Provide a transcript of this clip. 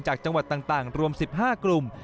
จากจังหวัดต่างรวม๑๕กลุ่ม